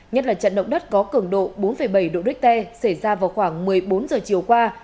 nhất là trận động đất có cường độ bốn bảy độ richter xảy ra vào khoảng một mươi bốn giờ chiều qua